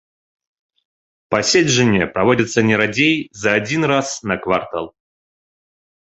Пасяджэння праводзяцца не радзей за адзін раз на квартал.